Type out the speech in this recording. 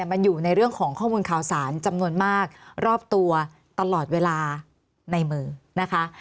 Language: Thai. มันอยู่ในเรื่องของข้อมูลข่าวสารจำนวนมากรอบตัวตลอดเวลาในมือนะคะ